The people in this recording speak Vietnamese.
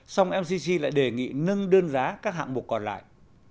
song mcc lại đề nghị nâng đơn giá các hạng mục còn lại